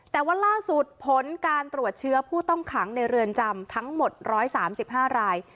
แต่ว่าล่าสุดผลการตรวจเชื้อผู้ต้องขังในเรือนจำทั้งหมด๑๓๕ราย